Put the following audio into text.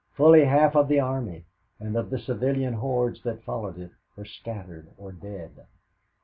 Fully half of the army and of the civilian hordes that followed it were scattered or dead.